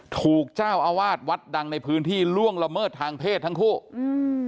ถูกเจ้าอาวาสวัดดังในพื้นที่ล่วงละเมิดทางเพศทั้งคู่อืม